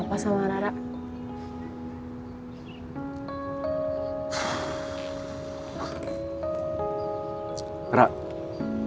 aku masih sayang banget sama kamu rara